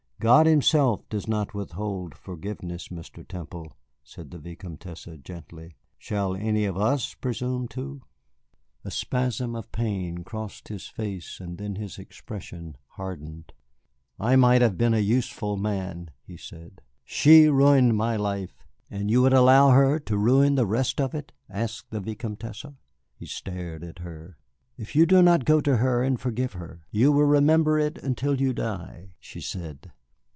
God Himself does not withhold forgiveness, Mr. Temple," said the Vicomtesse, gently. "Shall any of us presume to?" A spasm of pain crossed his face, and then his expression hardened. "I might have been a useful man," he said; "she ruined my life " "And you will allow her to ruin the rest of it?" asked the Vicomtesse. He stared at her. "If you do not go to her and forgive her, you will remember it until you die," she said.